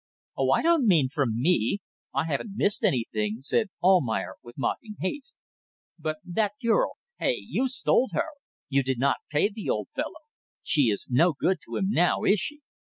"Oh, I don't mean from me. I haven't missed anything," said Almayer, with mocking haste. "But that girl. Hey! You stole her. You did not pay the old fellow. She is no good to him now, is she?"